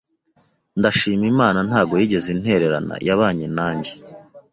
Ndashima Imana ntago yigeze intererana yabanye nanjye